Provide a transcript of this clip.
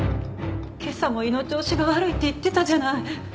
今朝も胃の調子が悪いって言ってたじゃない。